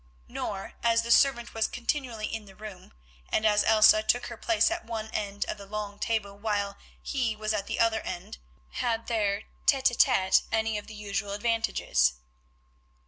Nor, as the servant was continually in the room, and as Elsa took her place at one end of the long table while he was at the other, had their tête à tête any of the usual advantages.